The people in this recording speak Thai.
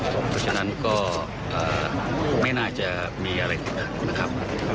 เพราะฉะนั้นก็ไม่น่าจะมีอะไรขึ้นมานะครับ